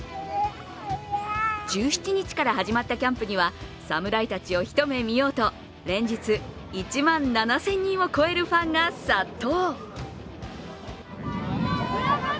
１７日から始まったキャンプには侍たちを一目見ようと連日１万７０００人を超えるファンが殺到。